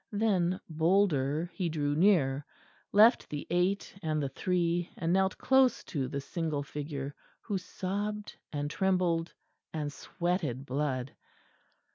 Then, bolder, he drew near, left the eight and the three and knelt close to the single Figure, who sobbed and trembled and sweated blood.